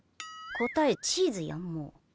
答えチーズやん、もう。